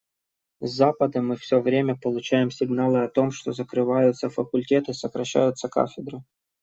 С Запада мы все время получаем сигналы о том, что закрываются факультеты, сокращаются кафедры.